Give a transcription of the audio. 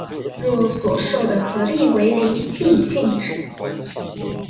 若所受的合力為零必靜止